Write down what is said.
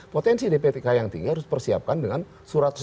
potensi dpk yang tinggi harus persiapkan dengan surat suara